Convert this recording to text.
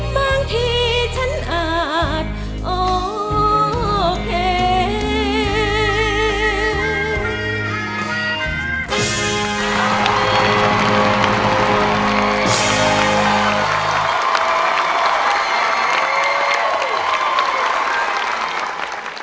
บางทีฉันอาจโอเค